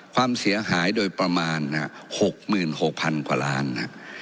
ความเสียหายโดยประมาณ๖๖๐๐๐กว่าล้าน